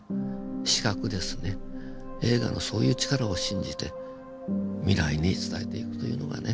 映画のそういう力を信じて未来に伝えていくというのがね。